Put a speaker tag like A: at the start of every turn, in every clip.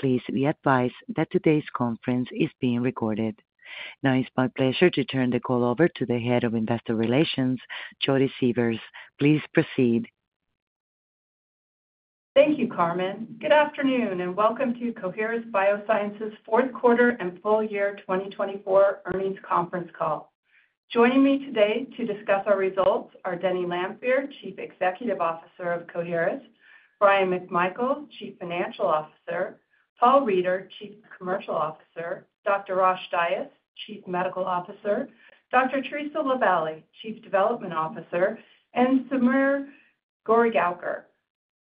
A: Please be advised that today's conference is being recorded. Now, it's my pleasure to turn the call over to the Head of Investor Relations, Jodi Sievers. Please proceed.
B: Thank you, Carmen. Good afternoon, and welcome to Coherus BioSciences' Fourth Quarter and Full Year 2024 Earnings Conference Call. Joining me today to discuss our results are Denny Lanfear, Chief Executive Officer of Coherus; Bryan McMichael, Chief Financial Officer; Paul Reider, Chief Commercial Officer; Dr. Rosh Dias, Chief Medical Officer; Dr. Theresa LaVallee, Chief Development Officer; and Sameer Goregaoker,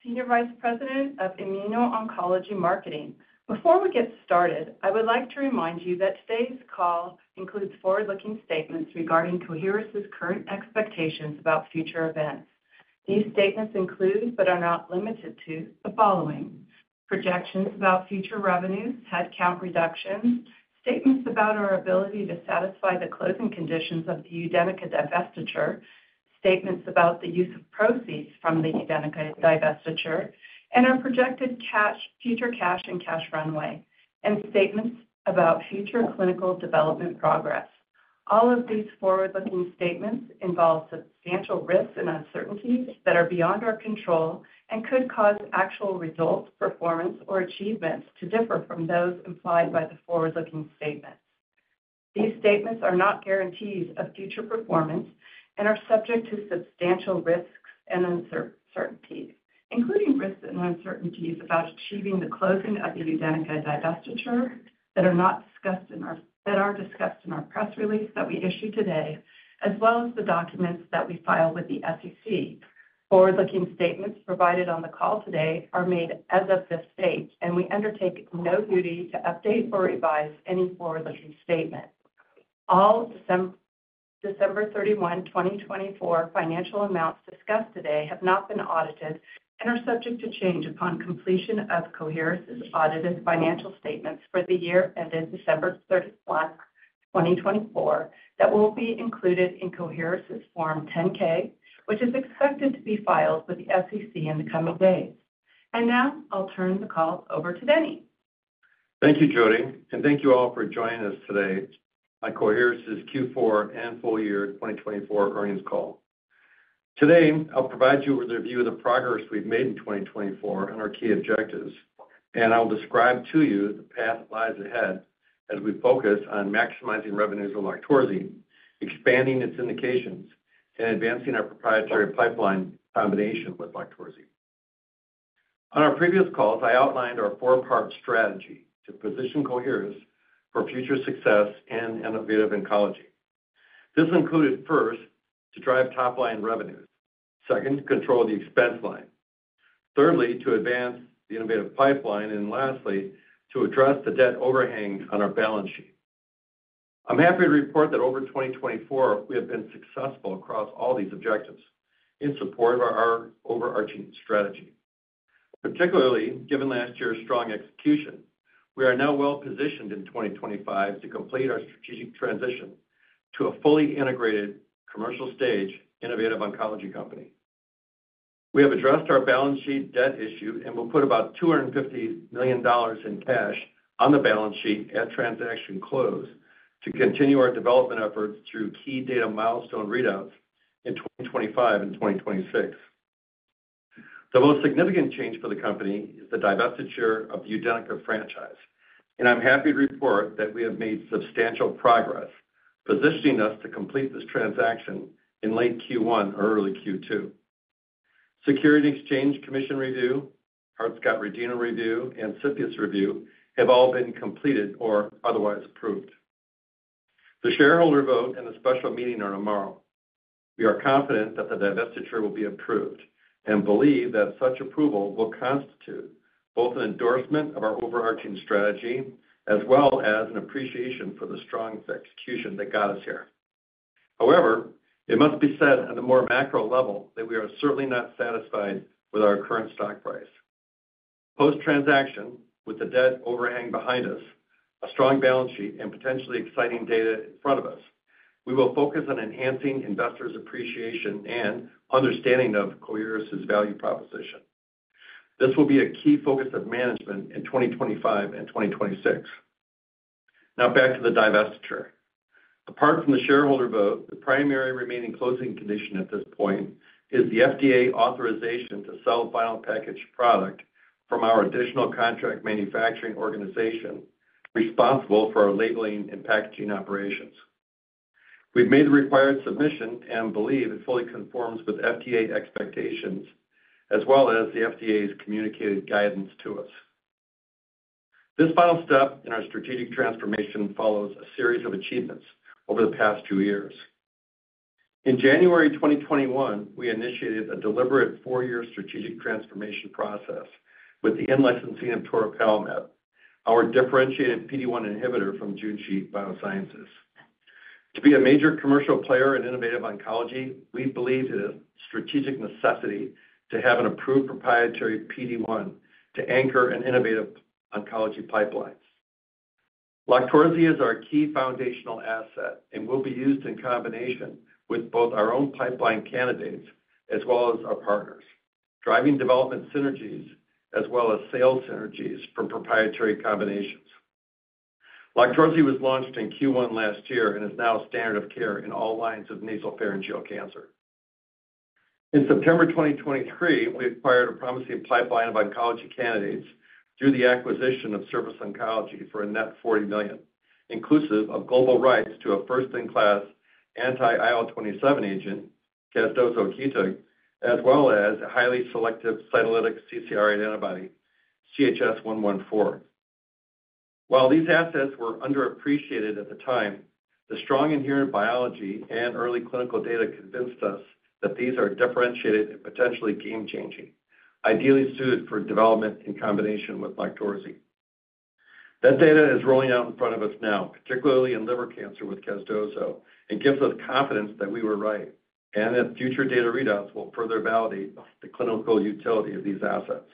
B: Senior Vice President of Immuno-Oncology Marketing. Before we get started, I would like to remind you that today's call includes forward-looking statements regarding Coherus' current expectations about future events. These statements include, but are not limited to, the following: projections about future revenues, headcount reductions, statements about our ability to satisfy the closing conditions of the Udenyca divestiture, statements about the use of proceeds from the Udenyca divestiture, and our projected future cash and cash runway, and statements about future clinical development progress. All of these forward-looking statements involve substantial risks and uncertainties that are beyond our control and could cause actual results, performance, or achievements to differ from those implied by the forward-looking statements. These statements are not guarantees of future performance and are subject to substantial risks and uncertainties, including risks and uncertainties about achieving the closing of the Udenyca divestiture that are not discussed in our press release that we issued today, as well as the documents that we file with the SEC. Forward-looking statements provided on the call today are made as of this date, and we undertake no duty to update or revise any forward-looking statement. All December 31, 2024, financial amounts discussed today have not been audited and are subject to change upon completion of Coherus' audited financial statements for the year ended December 31st, 2024, that will be included in Coherus' Form 10-K, which is expected to be filed with the SEC in the coming days. I'll turn the call over to Denny.
C: Thank you, Jodi, and thank you all for joining us today at Coherus' Q4 and full year 2024 earnings call. Today, I'll provide you with a review of the progress we've made in 2024 and our key objectives, and I'll describe to you the path that lies ahead as we focus on maximizing revenues with Loqtorzi, expanding its indications, and advancing our proprietary pipeline in combination with Loqtorzi. On our previous calls, I outlined our four-part strategy to position Coherus for future success in innovative oncology. This included, first, to drive top-line revenues; second, to control the expense line; thirdly, to advance the innovative pipeline; and lastly, to address the debt overhang on our balance sheet. I'm happy to report that over 2024, we have been successful across all these objectives in support of our overarching strategy. Particularly, given last year's strong execution, we are now well-positioned in 2025 to complete our strategic transition to a fully integrated commercial-stage innovative oncology company. We have addressed our balance sheet debt issue and will put about $250 million in cash on the balance sheet at transaction close to continue our development efforts through key data milestone readouts in 2025 and 2026. The most significant change for the company is the divestiture of the Udenyca franchise, and I'm happy to report that we have made substantial progress, positioning us to complete this transaction in late Q1 or early Q2. Securities and Exchange Commission review, Hart-Scott-Rodino review, and CFIU.S. review have all been completed or otherwise approved. The shareholder vote and the special meeting are tomorrow. We are confident that the divestiture will be approved and believe that such approval will constitute both an endorsement of our overarching strategy as well as an appreciation for the strong execution that got us here. However, it must be said on a more macro level that we are certainly not satisfied with our current stock price. Post-transaction, with the debt overhang behind us, a strong balance sheet, and potentially exciting data in front of us, we will focus on enhancing investors' appreciation and understanding of Coherus' value proposition. This will be a key focus of management in 2025 and 2026. Now, back to the divestiture. Apart from the shareholder vote, the primary remaining closing condition at this point is the FDA authorization to sell final packaged product from our additional contract manufacturing organization responsible for our labeling and packaging operations. We've made the required submission and believe it fully conforms with FDA expectations as well as the FDA's communicated guidance to us. This final step in our strategic transformation follows a series of achievements over the past two years. In January 2021, we initiated a deliberate four-year strategic transformation process with the in-licensing of toripalimab, our differentiated PD-1 inhibitor from Junshi BioSciences. To be a major commercial player in innovative oncology, we believe it is a strategic necessity to have an approved proprietary PD-1 to anchor an innovative oncology pipeline. Loqtorzi is our key foundational asset and will be used in combination with both our own pipeline candidates as well as our partners, driving development synergies as well as sales synergies from proprietary combinations. Loqtorzi was launched in Q1 last year and is now a standard of care in all lines of nasopharyngeal cancer. In September 2023, we acquired a promising pipeline of oncology candidates through the acquisition of Surface Oncology for a net $40 million, inclusive of global rights to a first-in-class anti-IL-27 agent, casdozokitug, as well as a highly selective cytolytic CCR8 antibody, CHS-114. While these assets were underappreciated at the time, the strong inherent biology and early clinical data convinced us that these are differentiated and potentially game-changing, ideally suited for development in combination with Loqtorzi. That data is rolling out in front of us now, particularly in liver cancer with casdozokitug, and gives us confidence that we were right and that future data readouts will further validate the clinical utility of these assets.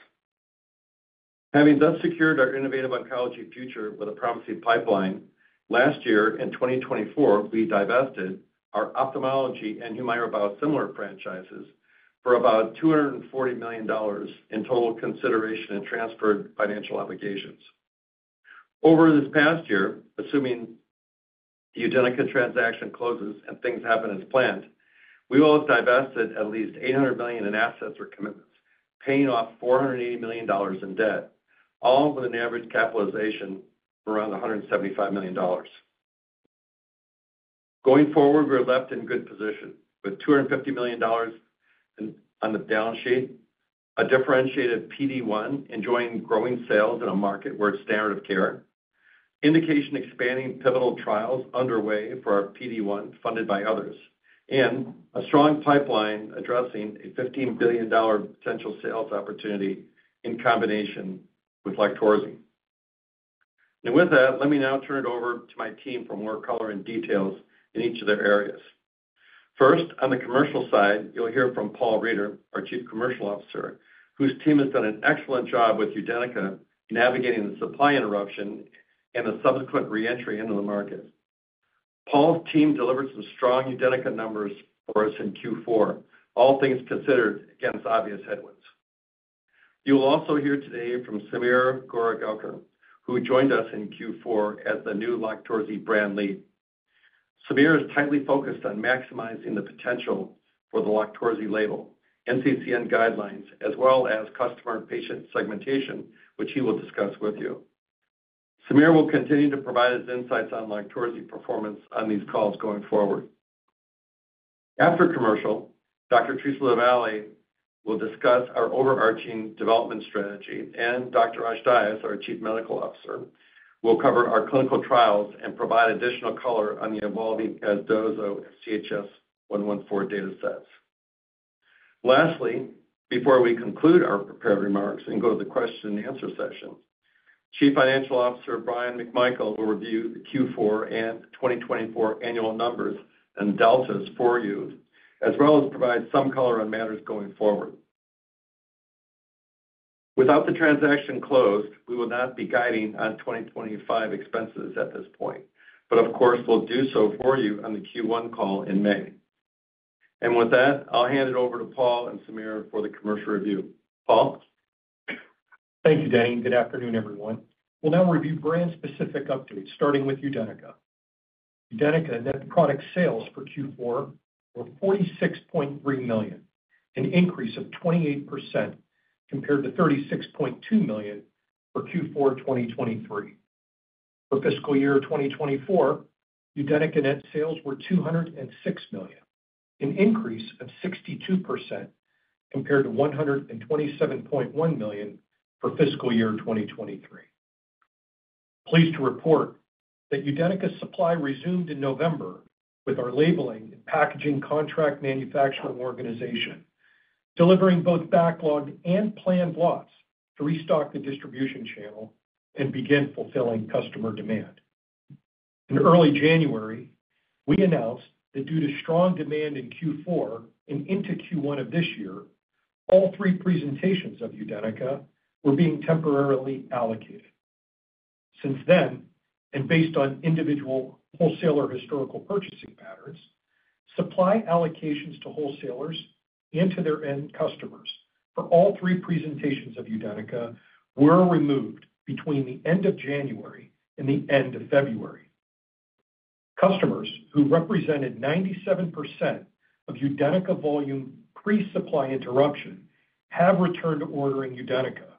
C: Having thus secured our innovative oncology future with a promising pipeline, last year in 2024, we divested our Ophthalmology and Humira biosimilar franchises for about $240 million in total consideration and transferred financial obligations. Over this past year, assuming the Udenyca transaction closes and things happen as planned, we will have divested at least $800 million in assets or commitments, paying off $480 million in debt, all with an average capitalization of around $175 million. Going forward, we're left in good position with $250 million on the balance sheet, a differentiated PD-1 enjoying growing sales in a market where it's standard of care, indication-expanding pivotal trials underway for our PD-1 funded by others, and a strong pipeline addressing a $15 billion potential sales opportunity in combination with Loqtorzi. Let me now turn it over to my team for more color and details in each of their areas. First, on the commercial side, you'll hear from Paul Reider, our Chief Commercial Officer, whose team has done an excellent job with Udenyca navigating the supply interruption and the subsequent reentry into the market. Paul's team delivered some strong Udenyca numbers for us in Q4, all things considered against obvious headwinds. You'll also hear today from Sameer Goregaoker, who joined us in Q4 as the new Loqtorzi brand lead. Sameer is tightly focused on maximizing the potential for the Loqtorzi label, NCCN guidelines, as well as customer and patient segmentation, which he will discuss with you. Sameer will continue to provide his insights on Loqtorzi performance on these calls going forward. After commercial, Dr. Theresa LaVallee will discuss our overarching development strategy, and Dr. Rosh Dias, our Chief Medical Officer, will cover our clinical trials and provide additional color on the evolving casdozokitug and CHS-114 data sets. Lastly, before we conclude our prepared remarks and go to the question-and-answer session, Chief Financial Officer Bryan McMichael will review the Q4 and 2024 annual numbers and deltas for you, as well as provide some color on matters going forward. Without the transaction closed, we would not be guiding on 2025 expenses at this point, but of course, we'll do so for you on the Q1 call in May. With that, I'll hand it over to Paul and Sameer for the commercial review. Paul?
D: Thank you, Denny. Good afternoon, everyone. We'll now review brand-specific updates, starting with Udenyca. Udenyca net product sales for Q4 were $46.3 million, an increase of 28% compared to $36.2 million for Q4 2023. For fiscal year 2024, Udenyca net sales were $206 million, an increase of 62% compared to $127.1 million for fiscal year 2023. Pleased to report that Udenyca's supply resumed in November with our labeling and packaging contract manufacturing organization, delivering both backlogged and planned lots to restock the distribution channel and begin fulfilling customer demand. In early January, we announced that due to strong demand in Q4 and into Q1 of this year, all three presentations of Udenyca were being temporarily allocated. Since then, and based on individual wholesaler historical purchasing patterns, supply allocations to wholesalers and to their end customers for all three presentations of Udenyca were removed between the end of January and the end of February. Customers who represented 97% of Udenyca volume pre-supply interruption have returned to ordering Udenyca,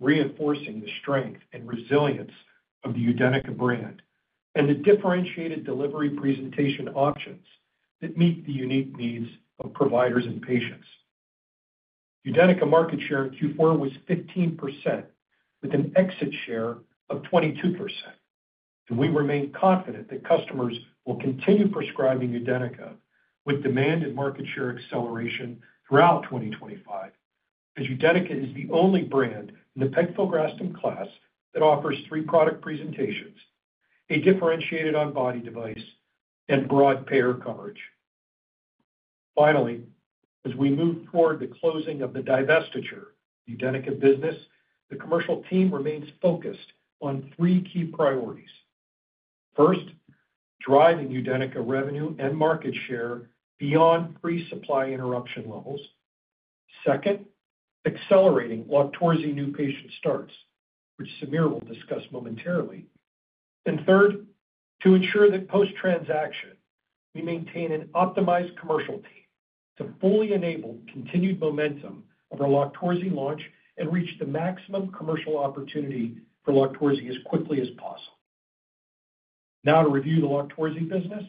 D: reinforcing the strength and resilience of the Udenyca brand and the differentiated delivery presentation options that meet the unique needs of providers and patients. Udenyca market share in Q4 was 15%, with an exit share of 22%. We remain confident that customers will continue prescribing Udenyca with demand and market share acceleration throughout 2025, as Udenyca is the only brand in the pegfilgrastim class that offers three product presentations: a differentiated on-body device and broad payer coverage. Finally, as we move toward the closing of the divestiture, the Udenyca business, the commercial team remains focused on three key priorities. First, driving Udenyca revenue and market share beyond pre-supply interruption levels. Second, accelerating Loqtorzi new patient starts, which Sameer will discuss momentarily. Third, to ensure that post-transaction, we maintain an optimized commercial team to fully enable continued momentum of our Loqtorzi launch and reach the maximum commercial opportunity for Loqtorzi as quickly as possible. Now, to review the Loqtorzi business,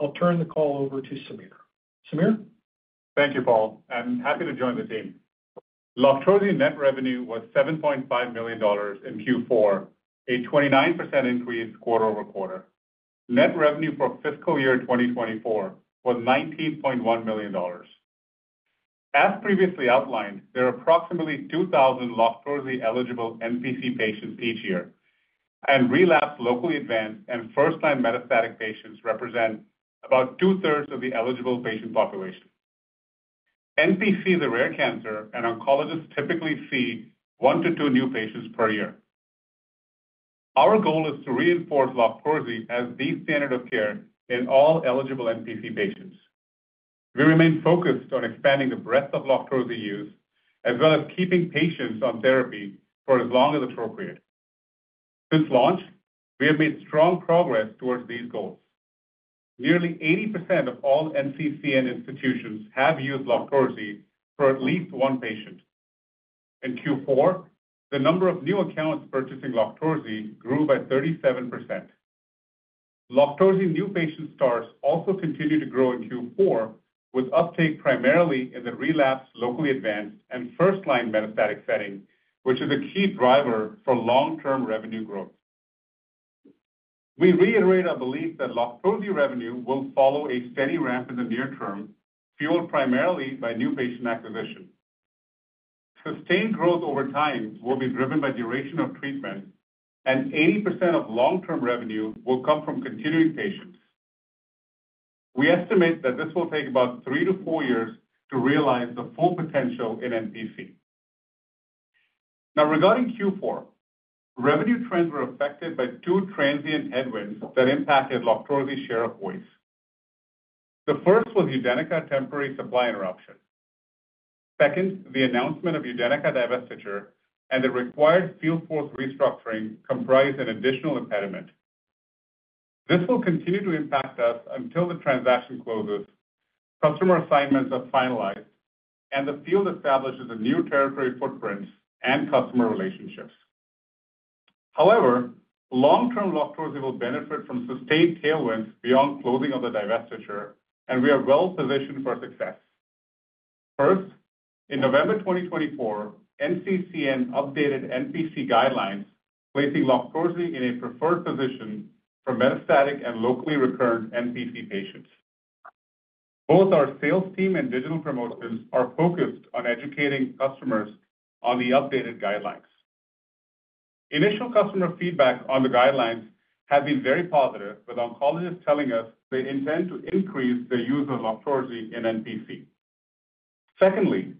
D: I'll turn the call over to Sameer. Sameer?
E: Thank you, Paul. I'm happy to join the team. Loqtorzi net revenue was $7.5 million in Q4, a 29% increase quarter over quarter. Net revenue for fiscal year 2024 was $19.1 million. As previously outlined, there are approximately 2,000 Loqtorzi-eligible NPC patients each year, and relapse, locally advanced, and first-line metastatic patients represent about two-thirds of the eligible patient population. NPC is a rare cancer, and oncologists typically see one to two new patients per year. Our goal is to reinforce Loqtorzi as the standard of care in all eligible NPC patients. We remain focused on expanding the breadth of Loqtorzi use as well as keeping patients on therapy for as long as appropriate. Since launch, we have made strong progress towards these goals. Nearly 80% of all NCCN institutions have used Loqtorzi for at least one patient. In Q4, the number of new accounts purchasing Loqtorzi grew by 37%. Loqtorzi new patient starts also continue to grow in Q4, with uptake primarily in the relapse, locally advanced, and first-line metastatic setting, which is a key driver for long-term revenue growth. We reiterate our belief that Loqtorzi revenue will follow a steady ramp in the near term, fueled primarily by new patient acquisition. Sustained growth over time will be driven by duration of treatment, and 80% of long-term revenue will come from continuing patients. We estimate that this will take about three to four years to realize the full potential in NPC. Now, regarding Q4, revenue trends were affected by two transient headwinds that impacted Loqtorzi share of voice. The first was Udenyca temporary supply interruption. Second, the announcement of Udenyca divestiture and the required field force restructuring comprise an additional impediment. This will continue to impact us until the transaction closes, customer assignments are finalized, and the field establishes a new territory footprint and customer relationships. However, long-term Loqtorzi will benefit from sustained tailwinds beyond closing of the divestiture, and we are well-positioned for success. First, in November 2024, NCCN updated NPC guidelines, placing Loqtorzi in a preferred position for metastatic and locally recurrent NPC patients. Both our sales team and digital promotions are focused on educating customers on the updated guidelines. Initial customer feedback on the guidelines has been very positive, with oncologists telling us they intend to increase the use of Loqtorzi in NPC. Secondly,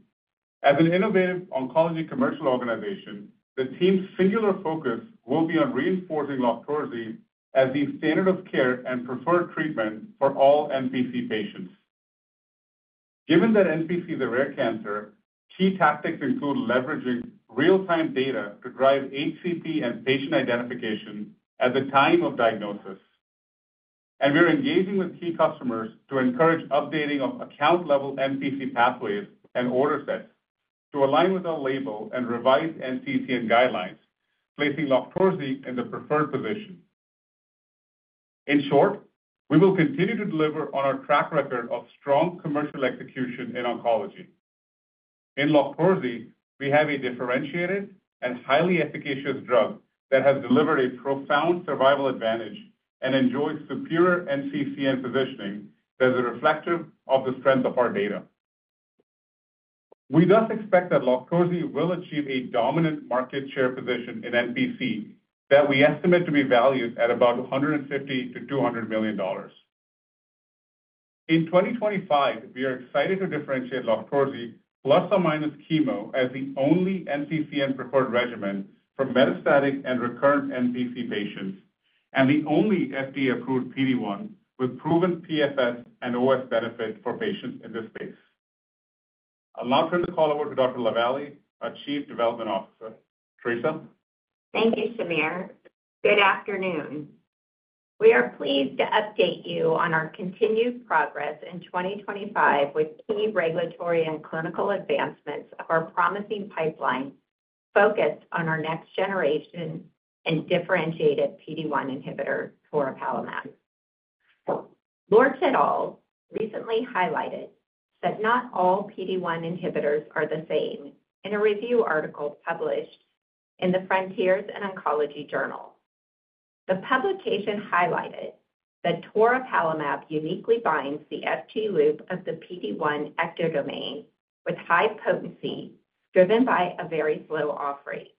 E: as an innovative oncology commercial organization, the team's singular focus will be on reinforcing Loqtorzi as the standard of care and preferred treatment for all NPC patients. Given that NPC is a rare cancer, key tactics include leveraging real-time data to drive HCP and patient identification at the time of diagnosis. We are engaging with key customers to encourage updating of account-level NPC pathways and order sets to align with our label and revise NCCN guidelines, placing Loqtorzi in the preferred position. In short, we will continue to deliver on our track record of strong commercial execution in oncology. In Loqtorzi, we have a differentiated and highly efficacious drug that has delivered a profound survival advantage and enjoys superior NCCN positioning that is reflective of the strength of our data. We thus expect that Loqtorzi will achieve a dominant market share position in NPC that we estimate to be valued at about $150 million-$200 million. In 2025, we are excited to differentiate Loqtorzi plus or minus chemo as the only NCCN-preferred regimen for metastatic and recurrent NPC patients and the only FDA-approved PD-1 with proven PFS and OS benefit for patients in this space. I'll now turn the call over to Dr. LaVallee, our Chief Development Officer. Theresa.
F: Thank you, Sameer. Good afternoon. We are pleased to update you on our continued progress in 2025 with key regulatory and clinical advancements of our promising pipeline focused on our next-generation and differentiated PD-1 inhibitor, toripalimab. Liu et al. recently highlighted that not all PD-1 inhibitors are the same in a review article published in the Frontiers in Oncology Journal. The publication highlighted that toripalimab uniquely binds the FG loop of the PD-1 ectodomain with high potency driven by a very slow off-rate.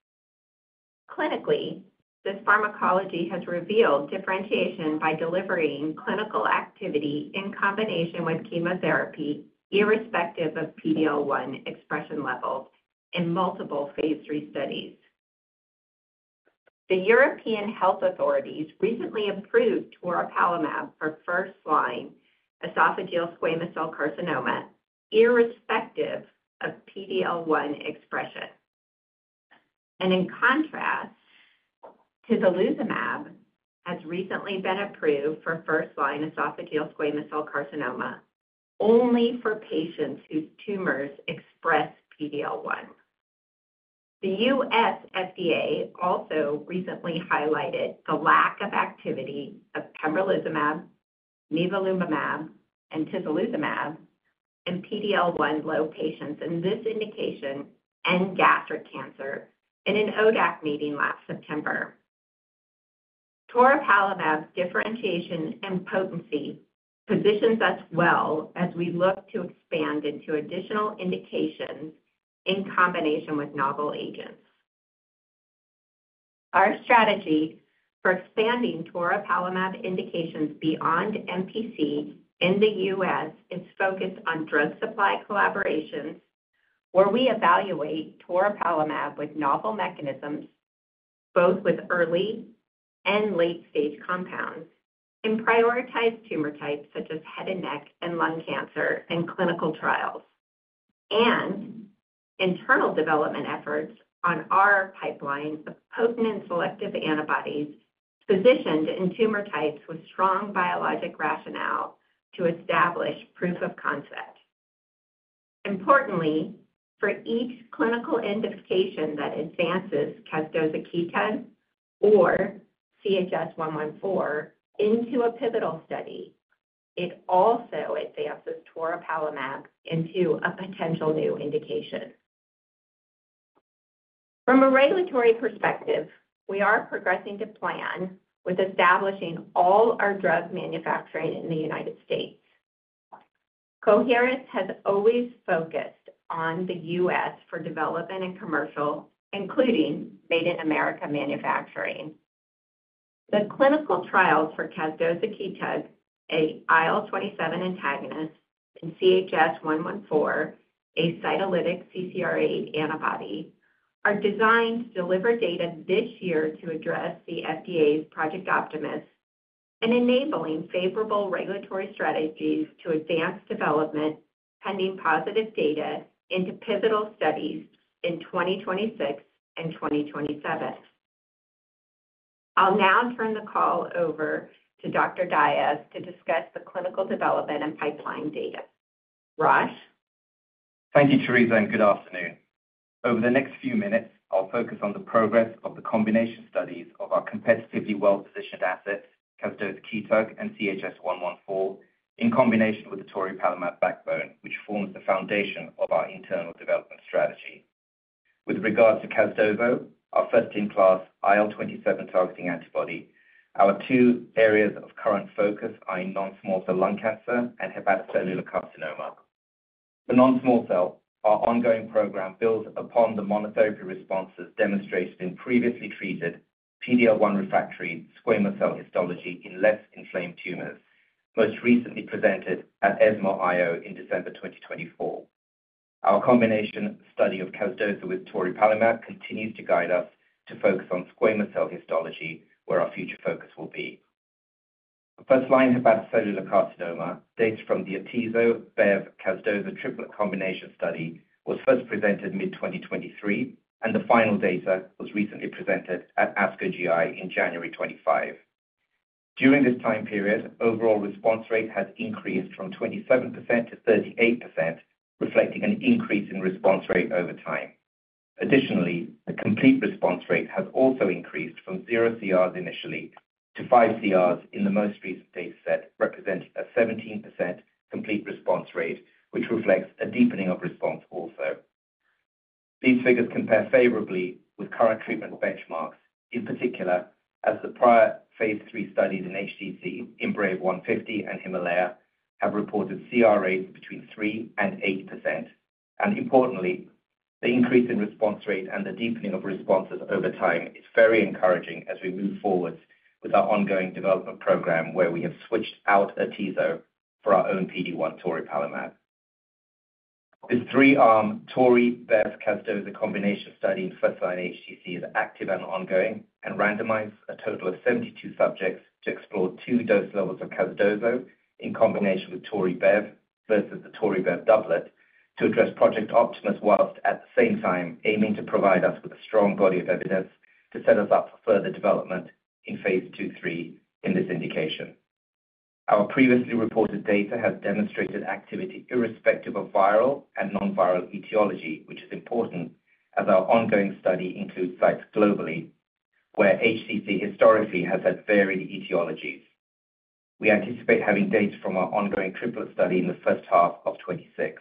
F: Clinically, this pharmacology has revealed differentiation by delivering clinical activity in combination with chemotherapy irrespective of PD-L1 expression levels in multiple phase III studies. The European Health Authorities recently approved toripalimab for first-line esophageal squamous cell carcinoma irrespective of PD-1 expression. In contrast to tislelizumab, it has recently been approved for first-line esophageal squamous cell carcinoma only for patients whose tumors express PD-1. The U.S. FDA also recently highlighted the lack of activity of pembrolizumab, nivolumab, and atezolizumab in PD-1 low patients in this indication and gastric cancer in an ODAC meeting last September. Toripalimab's differentiation and potency positions us well as we look to expand into additional indications in combination with novel agents. Our strategy for expanding toripalimab indications beyond NPC in the U.S. is focused on drug supply collaborations where we evaluate toripalimab with novel mechanisms, both with early and late-stage compounds in prioritized tumor types such as head and neck and lung cancer in clinical trials, and internal development efforts on our pipeline of potent and selective antibodies positioned in tumor types with strong biologic rationale to establish proof of concept. Importantly, for each clinical indication that advances casdozokitug or CHS-114 into a pivotal study, it also advances toripalimab into a potential new indication. From a regulatory perspective, we are progressing to plan with establishing all our drug manufacturing in the United States. Coherus has always focused on the U.S. for development and commercial, including Made in America manufacturing. The clinical trials for casdozokitug, an IL-27 antagonist, and CHS-114, a cytolytic CCR8 antibody, are designed to deliver data this year to address the FDA's Project Optimus and enabling favorable regulatory strategies to advance development pending positive data into pivotal studies in 2026 and 2027. I'll now turn the call over to Dr. Dias to discuss the clinical development and pipeline data. Rosh?
G: Thank you, Theresa, and good afternoon. Over the next few minutes, I'll focus on the progress of the combination studies of our competitively well-positioned assets, casdozokitug and CHS-114, in combination with the toripalimab backbone, which forms the foundation of our internal development strategy. With regard to casdozokitug, our first-in-class IL-27 targeting antibody, our two areas of current focus are in non-small cell lung cancer and hepatocellular carcinoma. For non-small cell, our ongoing program builds upon the monotherapy responses demonstrated in previously treated PD-1 refractory squamous cell histology in less inflamed tumors, most recently presented at ESMO IO in December 2024. Our combination study of casdozokitug with toripalimab continues to guide us to focus on squamous cell histology, where our future focus will be. First-line hepatocellular carcinoma data from the atezo-bev-casdozokitug triplet combination study was first presented mid-2023, and the final data was recently presented at ASCO GI in January 2025. During this time period, overall response rate has increased from 27% to 38%, reflecting an increase in response rate over time. Additionally, the complete response rate has also increased from 0 CRs initially to 5 CRs in the most recent data set, representing a 17% complete response rate, which reflects a deepening of response also. These figures compare favorably with current treatment benchmarks, in particular as the prior phase III studies in HCC, IMbrave150, and HIMALAYA have reported CR rates between 3% and 8%. Importantly, the increase in response rate and the deepening of responses over time is very encouraging as we move forward with our ongoing development program where we have switched out atezolizumab for our own PD-1 toripalimab. This three-armed Tori-BEV-casdozokitug combination study in first-line HCC is active and ongoing and randomized a total of 72 subjects to explore two dose levels of casdozokitug in combination with Tori-BEV versus the Tori-BEV doublet to address Project Optimus whilst at the same time aiming to provide us with a strong body of evidence to set us up for further development in phase II/III in this indication. Our previously reported data has demonstrated activity irrespective of viral and non-viral etiology, which is important as our ongoing study includes sites globally where HCC historically has had varied etiologies. We anticipate having data from our ongoing triplet study in the first half of 2026.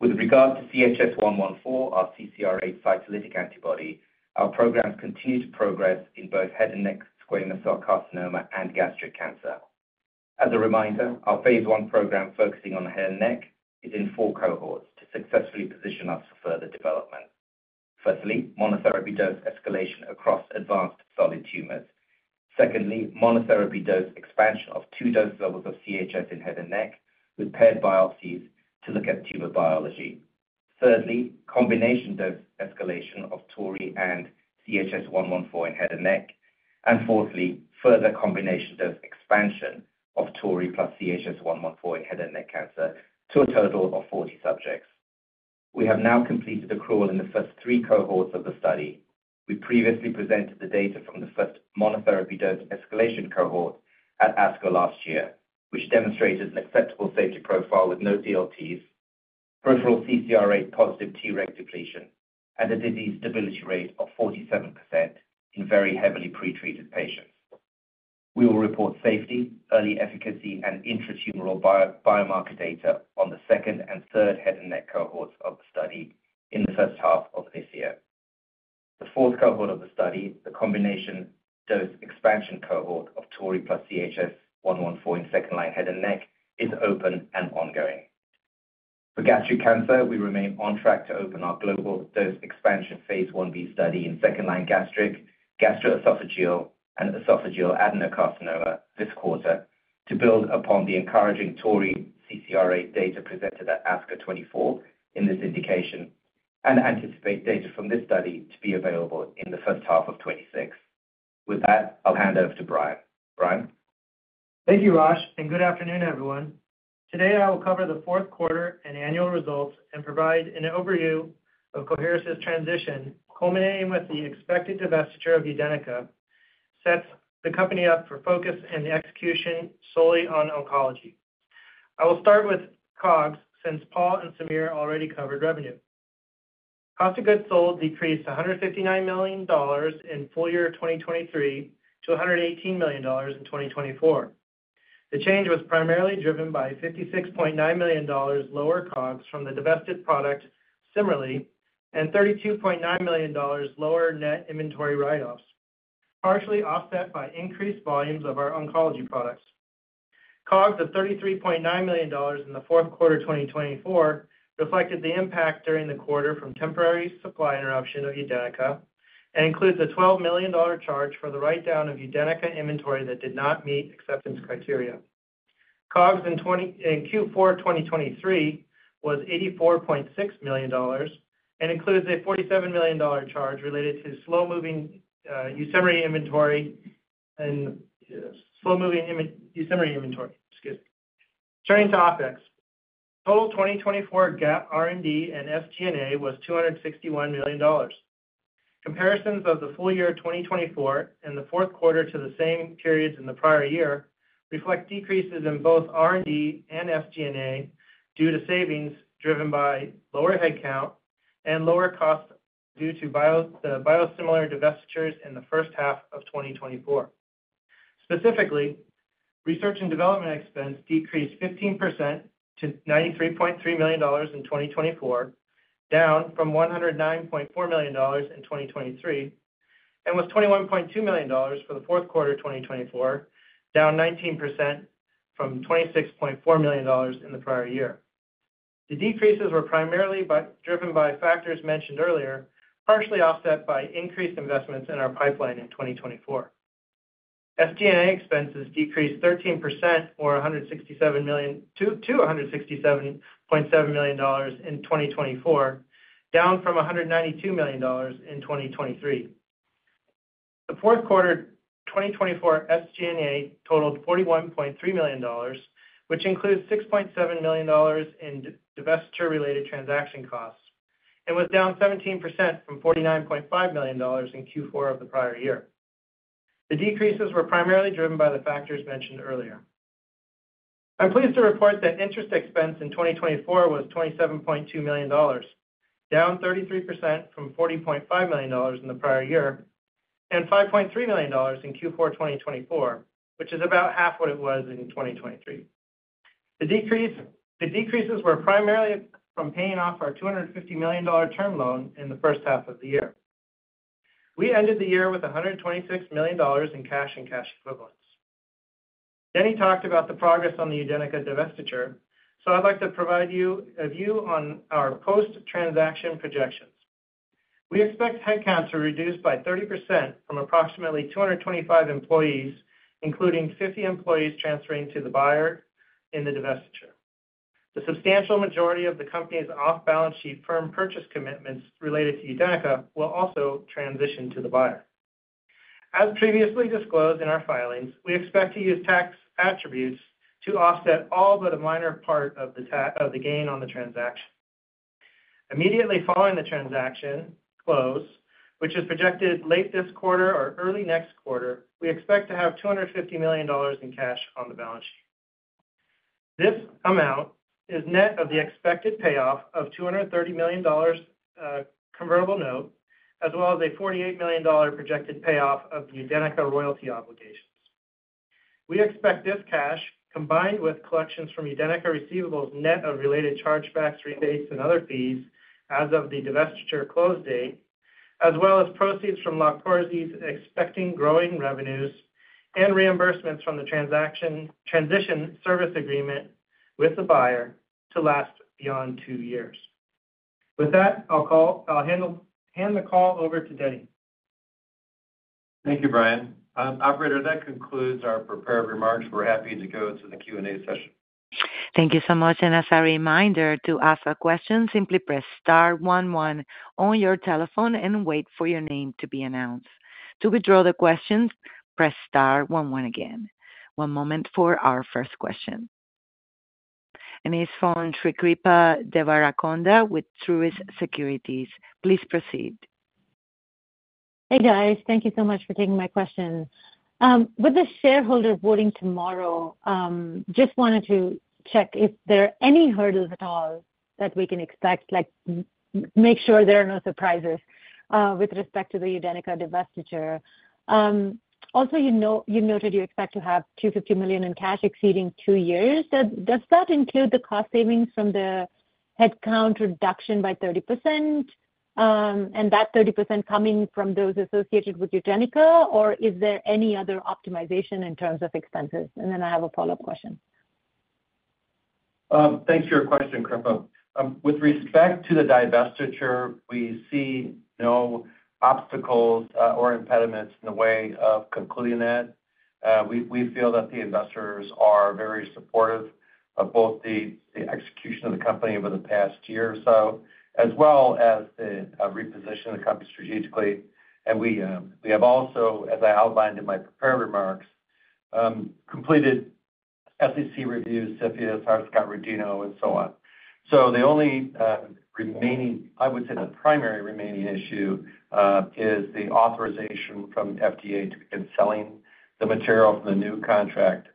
G: With regard to CHS-114, our CCR8 cytolytic antibody, our programs continue to progress in both head and neck squamous cell carcinoma and gastric cancer. As a reminder, our phase I program focusing on head and neck is in four cohorts to successfully position us for further development. Firstly, monotherapy dose escalation across advanced solid tumors. Secondly, monotherapy dose expansion of two dose levels of CHS-114 in head and neck with paired biopsies to look at tumor biology. Thirdly, combination dose escalation of Tori and CHS-114 in head and neck. Fourthly, further combination dose expansion of Tori plus CHS-114 in head and neck cancer to a total of 40 subjects. We have now completed accrual in the first three cohorts of the study. We previously presented the data from the first monotherapy dose escalation cohort at ASCO last year, which demonstrated an acceptable safety profile with no DLTs, peripheral CCR8 positive Treg depletion, and a disease stability rate of 47% in very heavily pretreated patients. We will report safety, early efficacy, and intratumoral biomarker data on the second and third head and neck cohorts of the study in the first half of this year. The fourth cohort of the study, the combination dose expansion cohort of Tori plus CHS-114 in second-line head and neck, is open and ongoing. For gastric cancer, we remain on track to open our global dose expansion phase I-B study in second-line gastric, gastroesophageal, and esophageal adenocarcinoma this quarter to build upon the encouraging Tori CCR8 data presented at ASCO 2024 in this indication and anticipate data from this study to be available in the first half of 2026. With that, I'll hand over to Bryan. Bryan.
H: Thank you, Rosh, and good afternoon, everyone. Today, I will cover the fourth quarter and annual results and provide an overview of Coherus' transition, culminating with the expected divestiture of Udenyca, which sets the company up for focus and the execution solely on oncology. I will start with COGS since Paul and Sameer already covered revenue. Cost of goods sold decreased $159 million in full year 2023 to $118 million in 2024. The change was primarily driven by $56.9 million lower COGS from the divested product Udenyca and $32.9 million lower net inventory write-offs, partially offset by increased volumes of our oncology products. COGS of $33.9 million in the fourth quarter 2024 reflected the impact during the quarter from temporary supply interruption of Udenyca and includes a $12 million charge for the write-down of Udenyca inventory that did not meet acceptance criteria. COGS in Q4 2023 was $84.6 million and includes a $47 million charge related to slow-moving Udenyca inventory. Turning to OpEx, total 2024 GAAP R&D and SG&A was $261 million. Comparisons of the full year 2024 and the fourth quarter to the same periods in the prior year reflect decreases in both R&D and SG&A due to savings driven by lower headcount and lower costs due to biosimilar divestitures in the first half of 2024. Specifically, research and development expense decreased 15% to $93.3 million in 2024, down from $109.4 million in 2023, and was $21.2 million for the fourth quarter 2024, down 19% from $26.4 million in the prior year. The decreases were primarily driven by factors mentioned earlier, partially offset by increased investments in our pipeline in 2024. SG&A expenses decreased 13%, or $167.7 million in 2024, down from $192 million in 2023. The fourth quarter 2024 SG&A totaled $41.3 million, which includes $6.7 million in divestiture-related transaction costs, and was down 17% from $49.5 million in Q4 of the prior year. The decreases were primarily driven by the factors mentioned earlier. I'm pleased to report that interest expense in 2024 was $27.2 million, down 33% from $40.5 million in the prior year and $5.3 million in Q4 2024, which is about half what it was in 2023. The decreases were primarily from paying off our $250 million term loan in the first half of the year. We ended the year with $126 million in cash and cash equivalents. Jody talked about the progress on the Udenyca divestiture, so I'd like to provide you a view on our post-transaction projections. We expect headcount to reduce by 30% from approximately 225 employees, including 50 employees transferring to the buyer in the divestiture. The substantial majority of the company's off-balance sheet firm purchase commitments related to Udenyca will also transition to the buyer. As previously disclosed in our filings, we expect to use tax attributes to offset all but a minor part of the gain on the transaction. Immediately following the transaction close, which is projected late this quarter or early next quarter, we expect to have $250 million in cash on the balance sheet. This amount is net of the expected payoff of the $230 million convertible note, as well as a $48 million projected payoff of the Udenyca royalty obligations. We expect this cash, combined with collections from Udenyca receivables net of related chargebacks, rebates, and other fees as of the divestiture close date, as well as proceeds from Loqtorzi's expected growing revenues and reimbursements from the transition service agreement with the buyer to last beyond two years. With that, I'll hand the call over to Denny.
C: Thank you, Bryan. Operator, that concludes our prepared remarks. We're happy to go to the Q&A session.
A: Thank you so much. As a reminder to ask a question, simply press star one one on your telephone and wait for your name to be announced. To withdraw the questions, press star one one again. One moment for our first question. It is from Kripa Devarakonda with Truist Securities. Please proceed.
I: Hey, guys. Thank you so much for taking my question. With the shareholders voting tomorrow, just wanted to check if there are any hurdles at all that we can expect, like make sure there are no surprises with respect to the Udenyca divestiture. Also, you noted you expect to have $250 million in cash exceeding two years. Does that include the cost savings from the headcount reduction by 30% and that 30% coming from those associated with Udenyca, or is there any other optimization in terms of expenses? I have a follow-up question.
C: Thanks for your question, Kripa. With respect to the divestiture, we see no obstacles or impediments in the way of concluding that. We feel that the investors are very supportive of both the execution of the company over the past year or so, as well as the repositioning of the company strategically. We have also, as I outlined in my prepared remarks, completed SEC reviews, CFIUS, Hart-Scott-Rodino, and so on. The only remaining, I would say the primary remaining issue is the authorization from FDA to begin selling the material from the new contract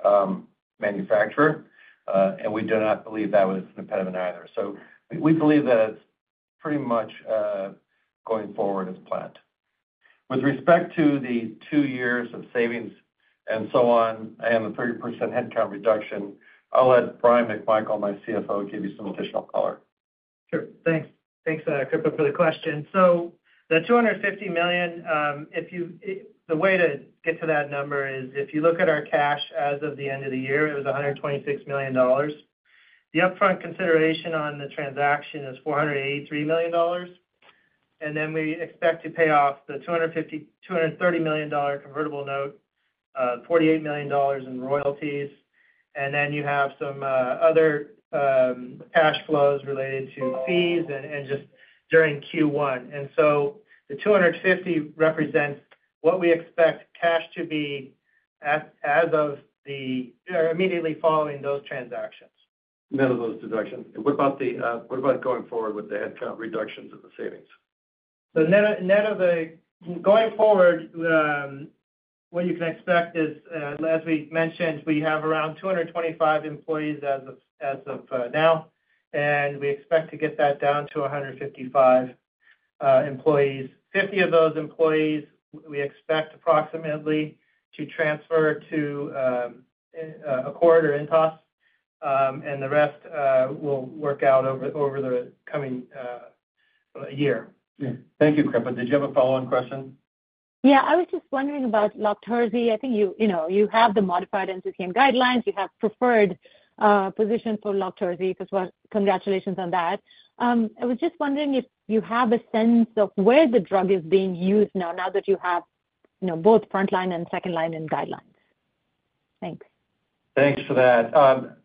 C: manufacturer. We do not believe that was an impediment either. We believe that it is pretty much going forward as planned. With respect to the two years of savings and so on and the 30% headcount reduction, I'll let Bryan McMichael, my CFO, give you some additional color.
H: Sure. Thanks. Thanks, Kripa, for the question. The $250 million, the way to get to that number is if you look at our cash as of the end of the year, it was $126 million. The upfront consideration on the transaction is $483 million. We expect to pay off the $230 million convertible note, $48 million in royalties. You have some other cash flows related to fees and just during Q1. The $250 million represents what we expect cash to be as of immediately following those transactions.
C: Net of those deductions. What about going forward with the headcount reductions and the savings?
H: Net of the going forward, what you can expect is, as we mentioned, we have around 225 employees as of now, and we expect to get that down to 155 employees. Fifty of those employees we expect approximately to transfer to Accord or Intas, and the rest will work out over the coming year.
C: Thank you, Kripa. Did you have a follow-on question?
I: Yeah. I was just wondering about Loqtorzi. I think you have the modified NCCN guidelines. You have preferred position for Loqtorzi. Congratulations on that. I was just wondering if you have a sense of where the drug is being used now, now that you have both frontline and second line in guidelines. Thanks.
C: Thanks for that.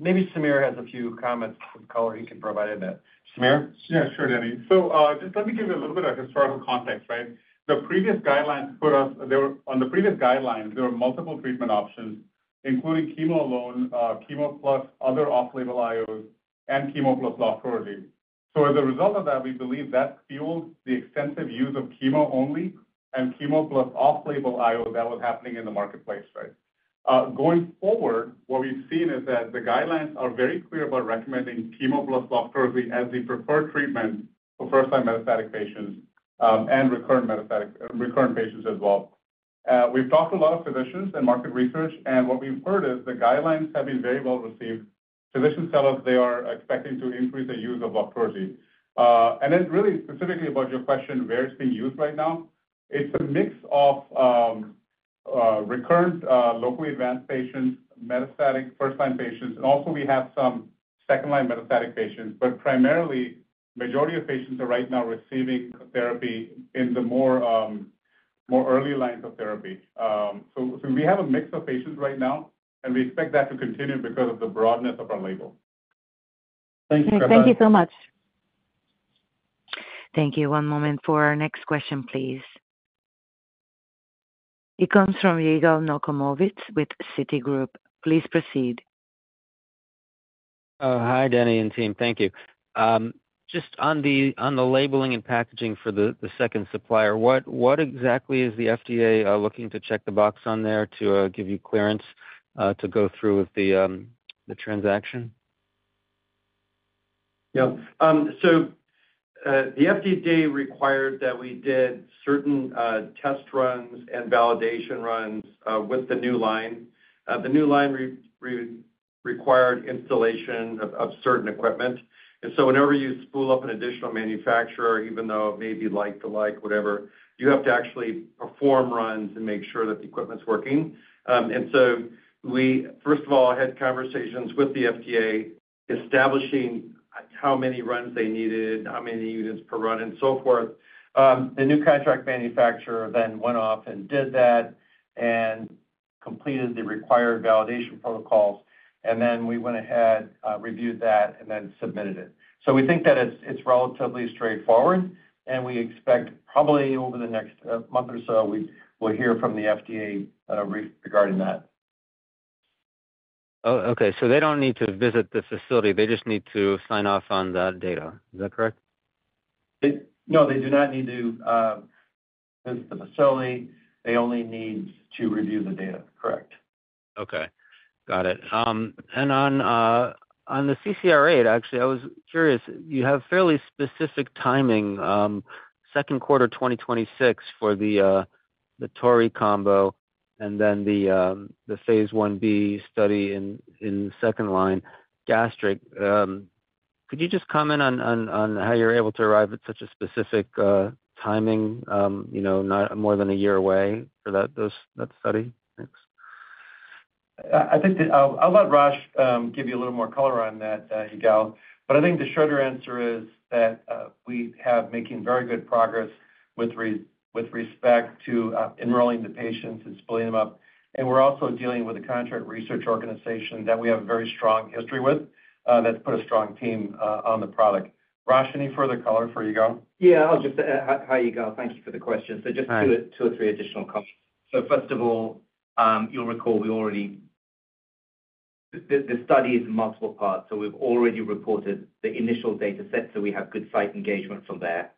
C: Maybe Sameer has a few comments of color he can provide in that. Sameer?
E: Yeah, sure, Denny. Just let me give you a little bit of historical context, right? The previous guidelines put us on the previous guidelines, there were multiple treatment options, including chemo alone, chemo plus other off-label I-Os, and chemo plus Loqtorzi. As a result of that, we believe that fueled the extensive use of chemo only and chemo plus off-label I-Os that were happening in the marketplace, right? Going forward, what we've seen is that the guidelines are very clear about recommending chemo plus Loqtorzi as the preferred treatment for first-line metastatic patients and recurrent patients as well. We've talked to a lot of physicians and market research, and what we've heard is the guidelines have been very well received. Physicians tell us they are expecting to increase their use of Loqtorzi. Really specifically about your question, where it's being used right now, it's a mix of recurrent locally advanced patients, metastatic first-line patients, and also we have some second-line metastatic patients, but primarily, the majority of patients are right now receiving therapy in the more early lines of therapy. We have a mix of patients right now, and we expect that to continue because of the broadness of our label.
C: Thank you.
I: Thank you so much.
A: Thank you. One moment for our next question, please. It comes from Yigal Nochomovitz with Citigroup. Please proceed.
J: Hi, Denny and team. Thank you. Just on the labeling and packaging for the second supplier, what exactly is the FDA looking to check the box on there to give you clearance to go through with the transaction?
C: Yeah. The FDA required that we did certain test runs and validation runs with the new line. The new line required installation of certain equipment. Whenever you spool up an additional manufacturer, even though it may be like-to-like, whatever, you have to actually perform runs and make sure that the equipment's working. We, first of all, had conversations with the FDA establishing how many runs they needed, how many units per run, and so forth. The new contract manufacturer then went off and did that and completed the required validation protocols. We went ahead, reviewed that, and then submitted it. We think that it's relatively straightforward, and we expect probably over the next month or so, we'll hear from the FDA regarding that.
J: Oh, okay. They don't need to visit the facility. They just need to sign off on the data. Is that correct?
C: No, they do not need to visit the facility. They only need to review the data. Correct.
J: Okay. Got it. On the CCR8, actually, I was curious. You have fairly specific timing, second quarter 2026 for the Tori Combo and then the phase I-B study in second line gastric. Could you just comment on how you're able to arrive at such a specific timing, not more than a year away for that study? Thanks.
C: I think I'll let Rosh give you a little more color on that, Yigal. I think the shorter answer is that we have been making very good progress with respect to enrolling the patients and spooling them up. We're also dealing with a contract research organization that we have a very strong history with that's put a strong team on the product. Rosh, any further color for Yigal?
G: Yeah. How are you, Yigal? Thank you for the question. Just two or three additional comments. First of all, you'll recall we already the study is in multiple parts. We've already reported the initial data set, so we have good site engagement from there.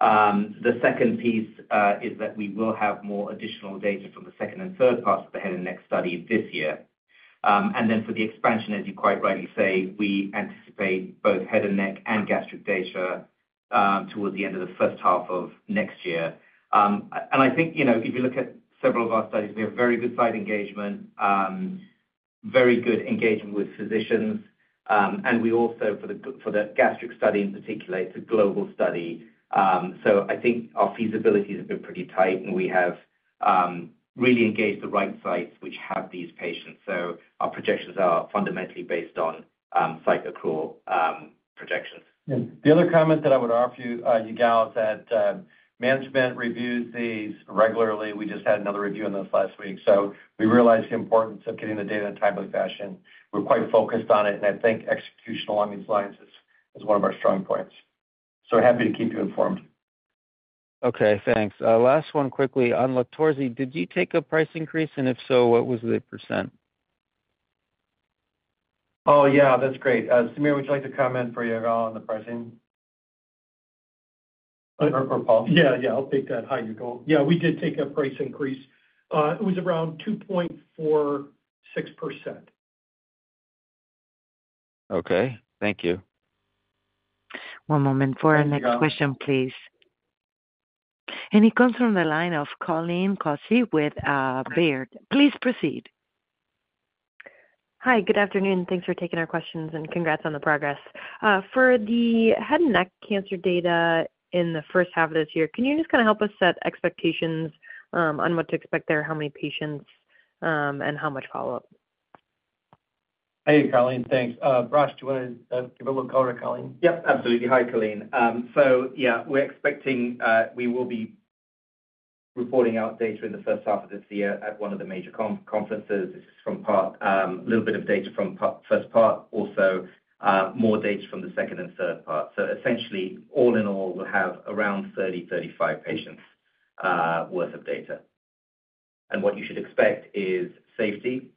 G: The second piece is that we will have more additional data from the second and third parts of the head and neck study this year. For the expansion, as you quite rightly say, we anticipate both head and neck and gastric data towards the end of the first half of next year. I think if you look at several of our studies, we have very good site engagement, very good engagement with physicians. We also, for the gastric study in particular, it's a global study. I think our feasibilities have been pretty tight, and we have really engaged the right sites which have these patients. Our projections are fundamentally based on site accrual projections.
C: The other comment that I would offer you, Yigal, is that management reviews these regularly. We just had another review on this last week. We realize the importance of getting the data in a timely fashion. We are quite focused on it. I think execution along these lines is one of our strong points. Happy to keep you informed.
J: Okay. Thanks. Last one quickly. On Loqtorzi, did you take a price increase? And if so, what was the percent?
C: Oh, yeah. That's great. Sameer, would you like to comment for Yigal on the pricing?
E: Yeah. Yeah. I'll take that. Hi, Yigal. Yeah. We did take a price increase. It was around 2.46%.
J: Okay. Thank you.
A: One moment for our next question, please. It comes from the line of Colleen Kusy with Baird. Please proceed.
K: Hi. Good afternoon. Thanks for taking our questions, and congrats on the progress. For the head and neck cancer data in the first half of this year, can you just kind of help us set expectations on what to expect there, how many patients, and how much follow-up?
C: Hey, Colleen. Thanks. Rosh, do you want to give a little color to Colleen?
G: Yep. Absolutely. Hi, Colleen. Yeah, we're expecting we will be reporting out data in the first half of this year at one of the major conferences. This is from part, a little bit of data from first part, also more data from the second and third part. Essentially, all in all, we'll have around 30-35 patients' worth of data. What you should expect is safety,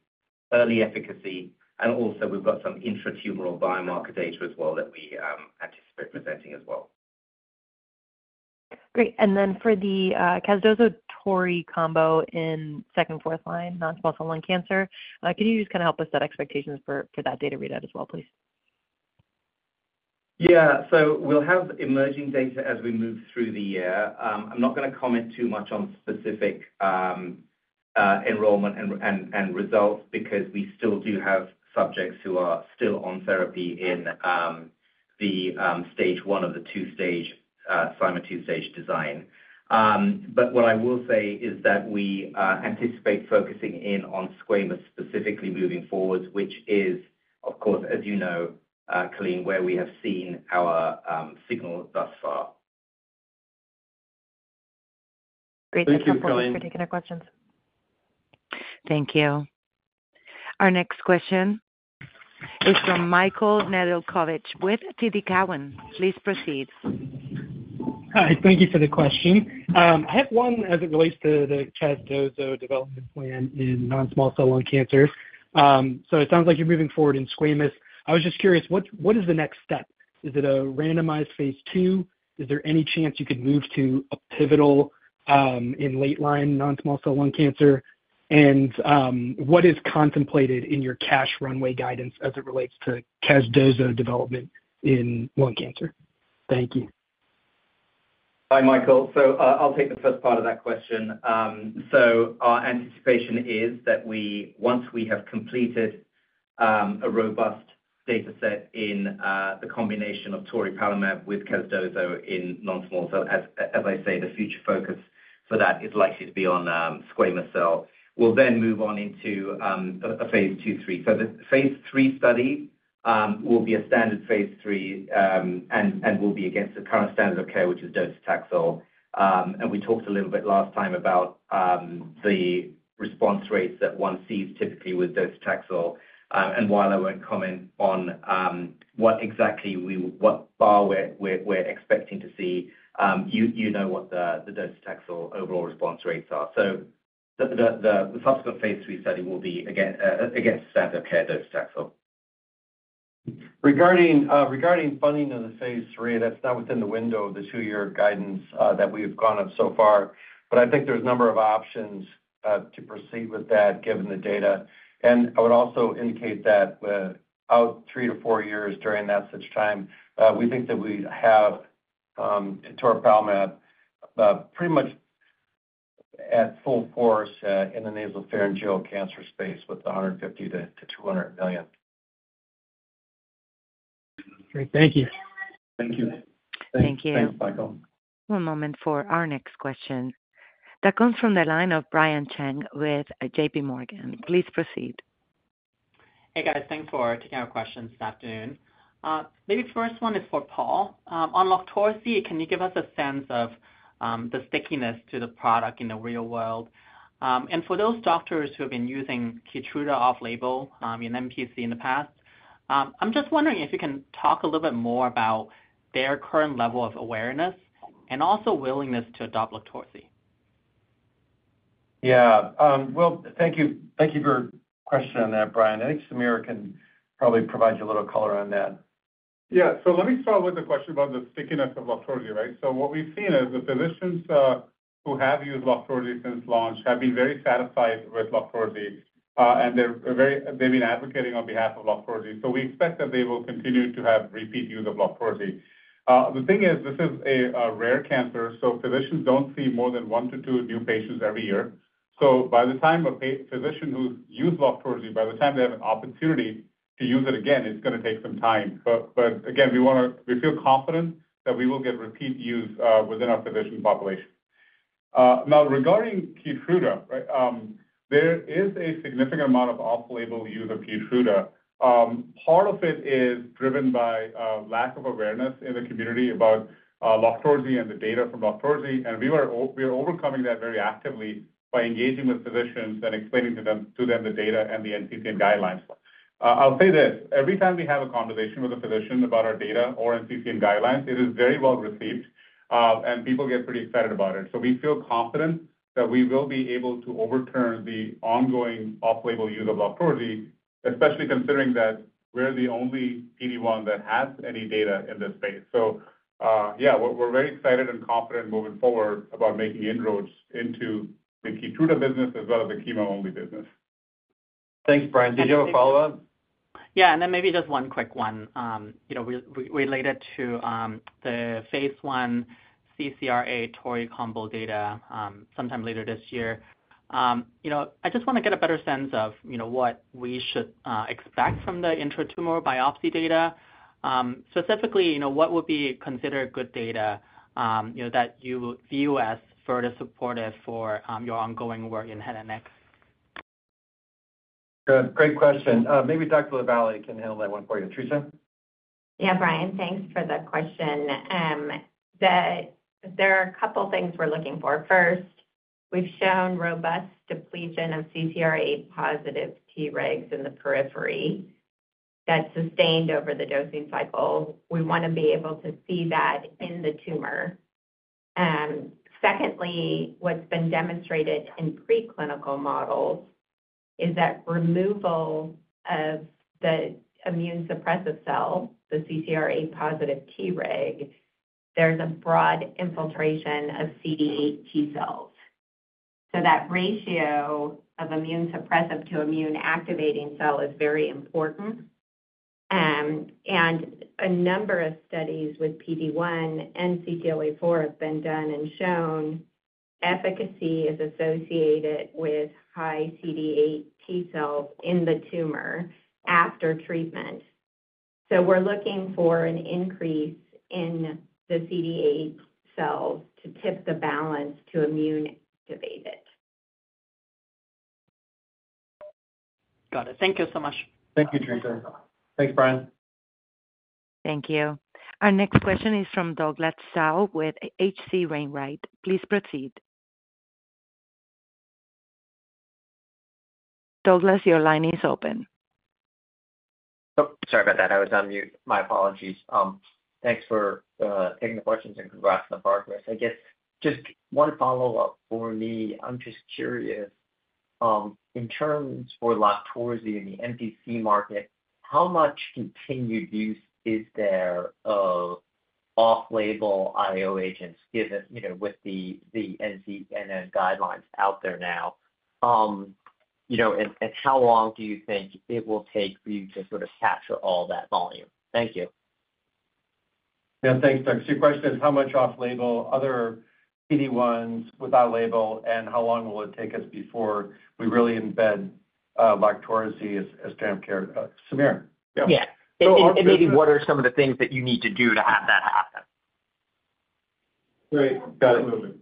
G: early efficacy, and also we've got some intratumoral biomarker data as well that we anticipate presenting as well.
K: Great. For the casdozokitug-toripalimab combo in second, fourth line non-small cell lung cancer, can you just kind of help us set expectations for that data readout as well, please?
C: Yeah. We'll have emerging data as we move through the year. I'm not going to comment too much on specific enrollment and results because we still do have subjects who are still on therapy in the stage one of the two-stage form a two-stage design. What I will say is that we anticipate focusing in on squamous specifically moving forward, which is, of course, as you know, Colleen, where we have seen our signal thus far.
K: Great. Thank you for taking our questions.
A: Thank you. Our next question is from Michael Nedelcovych with TD Cowen. Please proceed.
L: Hi. Thank you for the question. I have one as it relates to the casdozokitug development plan in non-small cell lung cancer. It sounds like you're moving forward in squamous. I was just curious, what is the next step? Is it a randomized phase two? Is there any chance you could move to a pivotal in late-line non-small cell lung cancer? What is contemplated in your cash runway guidance as it relates to casdozokitug development in lung cancer? Thank you.
C: Hi, Michael. I'll take the first part of that question. Our anticipation is that once we have completed a robust data set in the combination of toripalimab with casdozokitug in non-small cell, as I say, the future focus for that is likely to be on squamous cell. We'll then move on into a phase two, three. The phase three study will be a standard phase three and will be against the current standard of care, which is docetaxel. We talked a little bit last time about the response rates that one sees typically with docetaxel. While I won't comment on what exactly we, what bar we're expecting to see, you know what the docetaxel overall response rates are. The subsequent phase three study will be against standard of care docetaxel. Regarding funding of the phase three, that's not within the window of the two-year guidance that we've gone up so far. I think there's a number of options to proceed with that given the data. I would also indicate that out three to four years during that such time, we think that we have toripalimab pretty much at full force in the nasopharyngeal cancer space with $150 million-$200 million.
L: Great. Thank you.
C: Thank you.
A: Thank you. One moment for our next question that comes from the line of Brian Cheng with JPMorgan. Please proceed.
M: Hey, guys. Thanks for taking our questions this afternoon. Maybe first one is for Paul. On Loqtorzi, can you give us a sense of the stickiness to the product in the real world? For those doctors who have been using Keytruda off-label in NPC in the past, I'm just wondering if you can talk a little bit more about their current level of awareness and also willingness to adopt Loqtorzi.
C: Yeah. Thank you for your question on that, Brian. I think Sameer can probably provide you a little color on that.
E: Yeah. Let me start with a question about the stickiness of Loqtorzi, right? What we've seen is the physicians who have used Loqtorzi since launch have been very satisfied with Loqtorzi, and they've been advocating on behalf of Loqtorzi. We expect that they will continue to have repeat use of Loqtorzi. The thing is, this is a rare cancer, so physicians do not see more than one to two new patients every year. By the time a physician who has used Loqtorzi, by the time they have an opportunity to use it again, it is going to take some time. Again, we feel confident that we will get repeat use within our physician population. Now, regarding Keytruda, right, there is a significant amount of off-label use of Keytruda. Part of it is driven by lack of awareness in the community about Loqtorzi and the data from Loqtorzi. We are overcoming that very actively by engaging with physicians and explaining to them the data and the NCCN guidelines. I'll say this. Every time we have a conversation with a physician about our data or NCCN guidelines, it is very well received, and people get pretty excited about it. We feel confident that we will be able to overturn the ongoing off-label use of Loqtorzi, especially considering that we're the only PD-1 that has any data in this space. We are very excited and confident moving forward about making inroads into the Keytruda business as well as the chemo-only business.
C: Thanks, Brian. Did you have a follow-up?
M: Yeah. Maybe just one quick one related to the phase one CCR8 Tori Combo data sometime later this year. I just want to get a better sense of what we should expect from the intratumoral biopsy data. Specifically, what would be considered good data that you view as further supportive for your ongoing work in head and neck?
C: Good. Great question. Maybe Dr. LaVallee can handle that one for you. Theresa.
F: Yeah, Brian. Thanks for that question. There are a couple of things we're looking for. First, we've shown robust depletion of CCR8-positive Tregs in the periphery that's sustained over the dosing cycle. We want to be able to see that in the tumor. Secondly, what's been demonstrated in preclinical models is that removal of the immune suppressive cell, the CCR8-positive Treg, there's a broad infiltration of CD8 T cells. That ratio of immune suppressive to immune activating cell is very important. A number of studies with PD-1 and CTLA4 have been done and shown efficacy is associated with high CD8 T cells in the tumor after treatment. We're looking for an increase in the CD8 cells to tip the balance to immune activate it.
M: Got it. Thank you so much.
C: Thank you, Theresa. Thanks, Brian.
A: Thank you. Our next question is from Douglas Tsao with H.C. Wainwright. Please proceed. Douglas, your line is open.
N: Oh, sorry about that. I was on mute. My apologies. Thanks for taking the questions and congrats on the progress. I guess just one follow-up for me. I'm just curious, in terms for Loqtorzi's in the NPC market, how much continued use is there of off-label IO agents with the NCCN guidelines out there now? How long do you think it will take for you to sort of capture all that volume? Thank you.
C: Yeah. Thanks, Doug. Your question is how much off-label, other PD-1s without label, and how long will it take us before we really embed Loqtorzi as standard of care? Sameer.
N: Yeah. Maybe what are some of the things that you need to do to have that happen?
E: Right. Got it.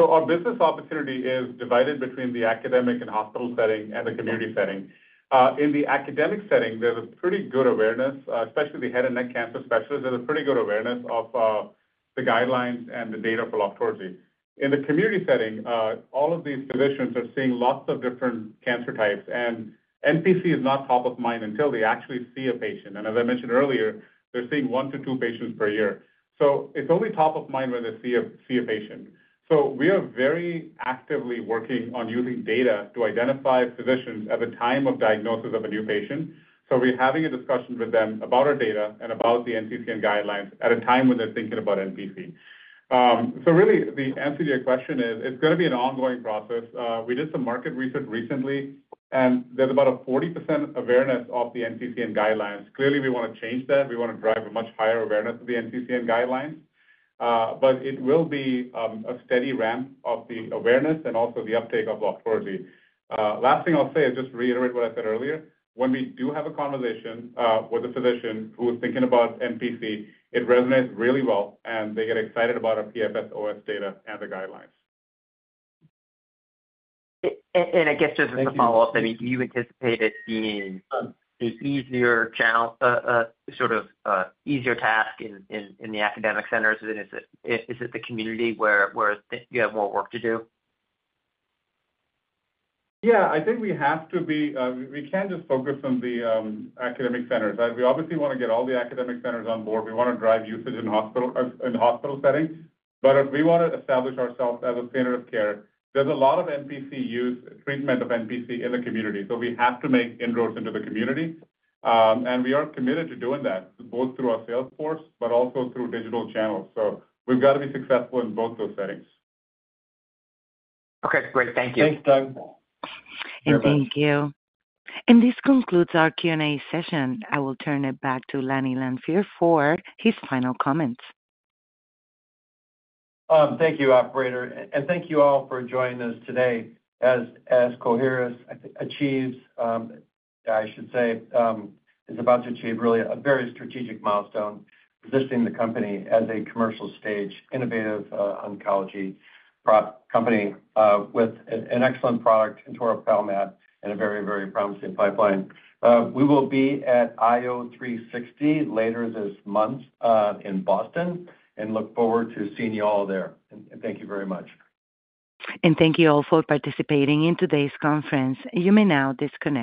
E: Our business opportunity is divided between the academic and hospital setting and the community setting. In the academic setting, there is a pretty good awareness, especially the head and neck cancer specialists. There is a pretty good awareness of the guidelines and the data for Loqtorzi. In the community setting, all of these physicians are seeing lots of different cancer types. NPC is not top of mind until they actually see a patient. As I mentioned earlier, they are seeing one to two patients per year. It is only top of mind when they see a patient. We are very actively working on using data to identify physicians at the time of diagnosis of a new patient. We are having a discussion with them about our data and about the NCCN guidelines at a time when they are thinking about NPC. Really, the answer to your question is it's going to be an ongoing process. We did some market research recently, and there's about a 40% awareness of the NCCN guidelines. Clearly, we want to change that. We want to drive a much higher awareness of the NCCN guidelines. It will be a steady ramp of the awareness and also the uptake of Loqtorzi. Last thing I'll say is just reiterate what I said earlier. When we do have a conversation with a physician who is thinking about NPC, it resonates really well, and they get excited about our PFS/OS data and the guidelines.
N: I guess just as a follow-up, I mean, do you anticipate it being an easier channel, sort of easier task in the academic centers? Is it the community where you have more work to do?
E: Yeah. I think we have to be, we can't just focus on the academic centers. We obviously want to get all the academic centers on board. We want to drive usage in hospital setting. If we want to establish ourselves as a standard of care, there's a lot of NPC use, treatment of NPC in the community. We have to make inroads into the community. We are committed to doing that both through our salesforce, but also through digital channels. We've got to be successful in both those settings.
N: Okay. Great. Thank you.
E: Thanks, Doug.
A: Thank you. This concludes our Q&A session. I will turn it back to Denny Lanfear for his final comments.
C: Thank you, operator. Thank you all for joining us today as Coherus is about to achieve really a very strategic milestone, positioning the company as a commercial stage innovative oncology company with an excellent product, Loqtorzi, and a very, very promising pipeline. We will be at IO 360 later this month in Boston and look forward to seeing you all there. Thank you very much.
A: Thank you all for participating in today's conference. You may now disconnect.